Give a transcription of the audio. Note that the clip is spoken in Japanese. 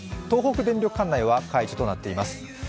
東北電力管内は解除となっています。